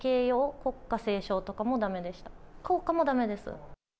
校歌もだめです。